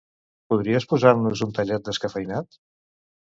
Podries posar-nos un tallat descafeïnat?